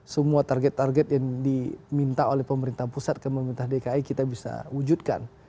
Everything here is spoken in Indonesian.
semua target target yang diminta oleh pemerintah pusat ke pemerintah dki kita bisa wujudkan